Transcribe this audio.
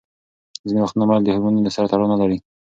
ځینې وختونه میل د هورمونونو سره تړاو نلري.